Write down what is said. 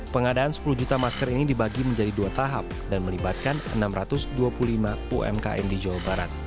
pengadaan sepuluh juta masker ini dibagi menjadi dua tahap dan melibatkan enam ratus dua puluh lima umkm di jawa barat